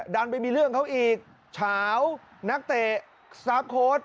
ดันไปมีเรื่องเขาอีกเฉานักเตะสตาร์ฟโค้ด